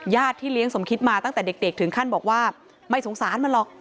ที่เลี้ยงสมคิดมาตั้งแต่เด็กถึงขั้นบอกว่าไม่สงสารมันหรอก